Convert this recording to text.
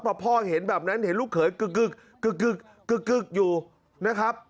เพราะพ่อเห็นแบบนั้นลูกเขินกึ๊กอยู่นะครับ